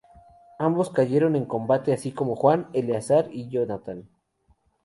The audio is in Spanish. Ambos cayeron en combate, así como Juan, Eleazar y Jonatán.